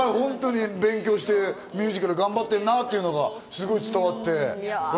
勉強して、ミュージカル頑張ってんなっていうのがすごい伝わって。